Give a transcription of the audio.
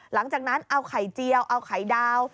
หลังจากนั้นเอาไข่เจียวเอาไข่ดาว